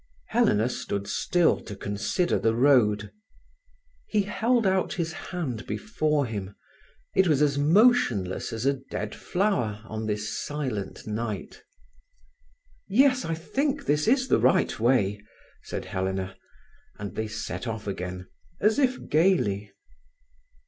Helena stood still to consider the road. He held out his hand before him. It was motionless as a dead flower on this silent night. "Yes, I think this is the right way," said Helena, and they set off again, as if gaily.